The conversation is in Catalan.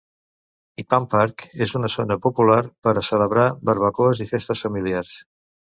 Ipan Park és una zona popular per a celebrar barbacoes i festes familiars.